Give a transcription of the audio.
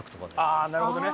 ああなるほどね。